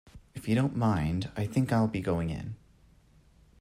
If you don't mind, I think I'll be going in.